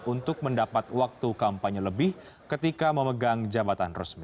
untuk mendapat waktu kampanye lebih ketika memegang jabatan resmi